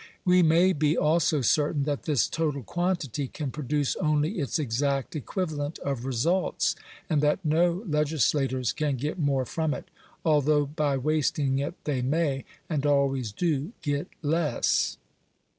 We may be also certain that this total quantity can produce only its exact equivalent of results ; and that no legis lators can get more from it; although by wasting it they may, and always do, get less.